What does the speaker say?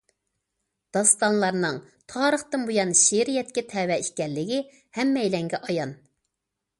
داستانلارنىڭ تارىختىن بۇيان شېئىرىيەتكە تەۋە ئىكەنلىكى ھەممەيلەنگە ئايان.